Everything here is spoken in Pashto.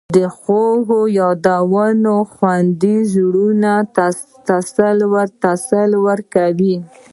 د خوږو یادونو خوند زړونو ته تسل ورکوي.